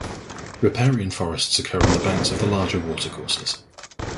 Riparian forests occur on the banks of the larger watercourses.